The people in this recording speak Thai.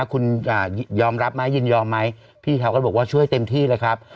คุณยอมรับไหมยินยอมไหมพี่เขาก็บอกว่าช่วยเต็มที่เลยครับ